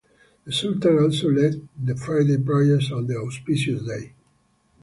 The Sultan also led the Friday prayers on the auspicious day.